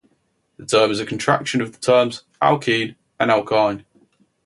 The term is a contraction of the terms alkene and alkyne.